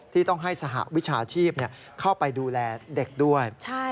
ที่ต้องให้สหวิชาชีพเข้าไปดูแลเด็กด้วย